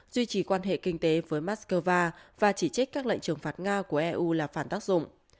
duy trì quan hệ kinh tế với moscow và chỉ trích các lệnh trừng phạt nga của eu là phản tác dụng